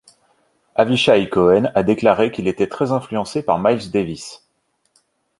Avishai Cohen a déclaré qu'il était très influencé par Miles Davis.